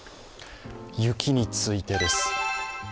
雪についてです。